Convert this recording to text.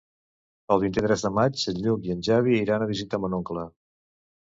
El vint-i-tres de maig en Lluc i en Xavi iran a visitar mon oncle.